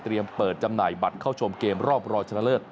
เปิดจำหน่ายบัตรเข้าชมเกมรอบรองชนะเลิศ